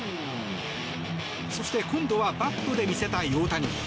そして、今度はバットで見せたい大谷。